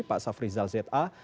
pak safri zal za